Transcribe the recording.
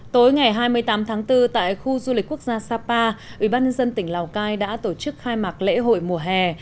tối ngày hai mươi tám tháng bốn tại khu du lịch quốc gia sapa ubnd tỉnh lào cai đã tổ chức khai mạc lễ hội mùa hè